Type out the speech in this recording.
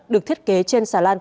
được thiết kế trên sàn